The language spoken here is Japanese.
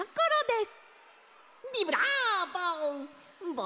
ビブラーボ！